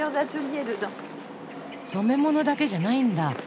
染め物だけじゃないんだ。